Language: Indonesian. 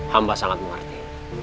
hamba sangat mengerti